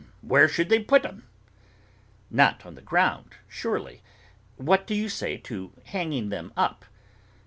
'Where should they put 'em?' 'Not on the ground surely. What do you say to hanging them up?